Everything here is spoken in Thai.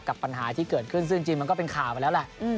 ปัญหาที่เกิดขึ้นซึ่งจริงมันก็เป็นข่าวไปแล้วแหละ